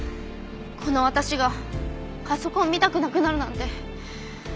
この私がパソコン見たくなくなるなんて。